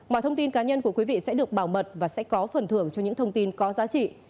mọi thông tin cá nhân của quý vị sẽ được bảo mật và sẽ có phần thưởng cho những thông tin có giá trị